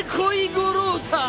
五郎太。